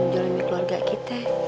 jalani keluarga kita